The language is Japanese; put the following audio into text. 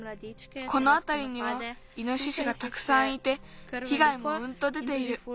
このあたりにはイノシシがたくさんいてひがいもうんと出ている。